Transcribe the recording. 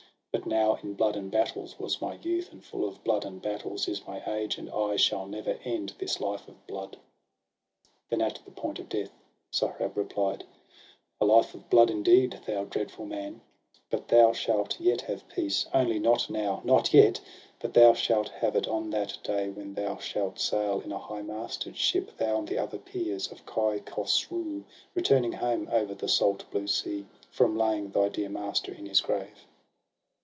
But now in blood and battles was my youth, And full of blood and battles is my age. And I shall never end this life of blood.' Then, at the point of death, Sohrab replied :—' A life of blood indeed, thou dreadful man ! But thou shalt yet have peace; only not now, Not yet! but thou shalt have it on that day. When thou shalt sail in a high masted ship. Thou and the other peers of Kai Khosroo, Returning home over the salt blue sea, From laying thy dear master in his grave.'